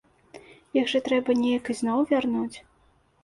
Іх жа трэба неяк ізноў вярнуць.